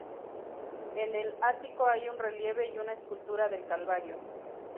En el ático hay un relieve y una escultura del Calvario.